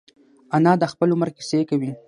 انا د خپل عمر کیسې کوي